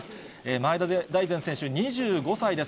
前田大然選手、２５歳です。